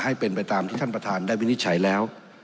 ให้เป็นไปตามที่ท่านประธานได้วินิจฉัยแล้ว